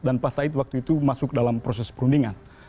dan pak said waktu itu masuk dalam proses perundingan